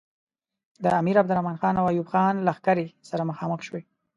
د امیر عبدالرحمن خان او ایوب خان لښکرې سره مخامخ شوې.